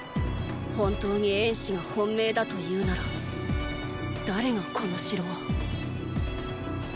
本当に衍氏が本命だと言うなら誰がこの城を？